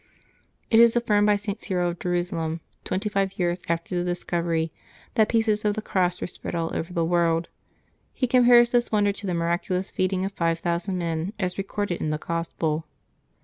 It is affirmed by St. Cyril of Jerusalem, twenty five years after the discovery, that pieces of the cross were spread all over the earth; he compares this wonder to the miraculous feeding of five thousand men, as recorded in the Gospel.